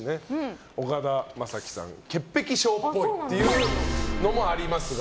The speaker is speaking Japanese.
岡田将生さん、潔癖症っぽいっていうのもありますが。